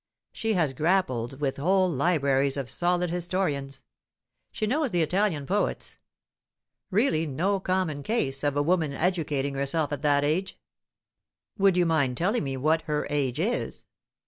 She has grappled with whole libraries of solid historians. She knows the Italian poets Really, no common case of a woman educating herself at that age." "Would you mind telling me what her age is?"